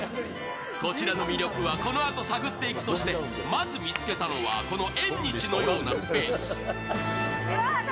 こちらの魅力はこのあと探っていくとしてまず見つけたのは、この縁日のようなスペース。